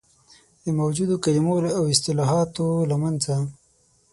د موجودو کلمو او اصطلاحاتو له منځه.